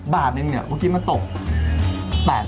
บาทนึงเนี่ยผมคิดมันตก๘๐๐๐๐บาท